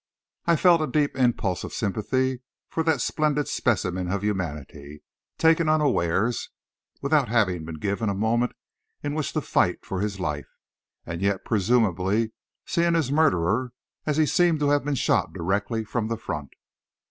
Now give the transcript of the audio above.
I felt a deep impulse of sympathy for that splendid specimen of humanity, taken unawares, without having been given a moment in which to fight for his life, and yet presumably seeing his murderer, as he seemed to have been shot directly from the front.